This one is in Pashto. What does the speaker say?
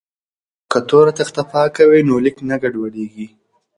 که تور تخته پاکه وي نو لیک نه ګډوډیږي.